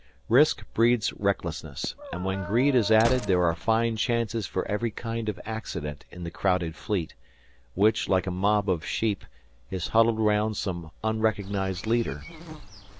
Risk breeds recklessness, and when greed is added there are fine chances for every kind of accident in the crowded fleet, which, like a mob of sheep, is huddled round some unrecognized leader.